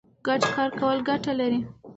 ګډ کار کول ګټه لري.